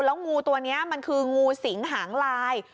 แล้วงูตัวนี้มันคืองูสิงหางลาย